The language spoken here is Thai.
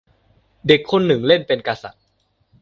เด็กคนหนึ่งเล่นเป็นกษัตริย์